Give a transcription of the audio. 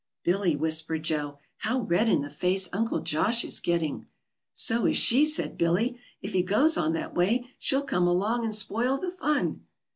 "Billy," whispered Joe, "how red in the face Uncle Josh is getting!" "So is she," said Billy. "If he goes on that way, she'll come along and spoil the fun."